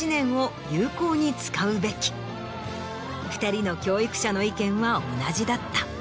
２人の教育者の意見は同じだった。